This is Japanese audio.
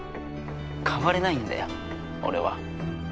変われないんだよ俺は。